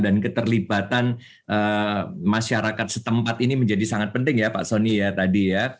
dan keterlibatan masyarakat setempat ini menjadi sangat penting ya pak soni ya tadi ya